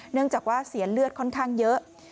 เนื่องจากว่าเสียเลือดค่อนข้างเยอะ